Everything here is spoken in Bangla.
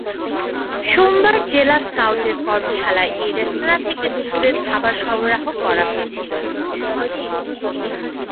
সোমবার জেলা স্কাউটের কর্মশালায় এই রেস্তোরাঁ থেকেই দুপুরের খাবার সরবরাহ করা হয়েছিল।